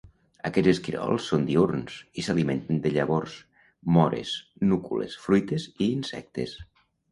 Aquests esquirols són diürns i s'alimenten de llavors, móres, núcules, fruites i insectes.